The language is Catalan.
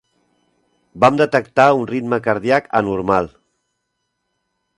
Vam detectar un ritme cardíac anormal.